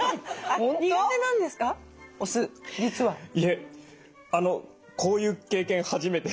いえこういう経験初めて。